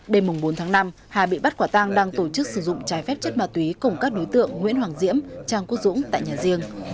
đêm bốn tháng năm hà bị bắt quả tang đang tổ chức sử dụng trái phép chất ma túy cùng các đối tượng nguyễn hoàng diễm trang quốc dũng tại nhà riêng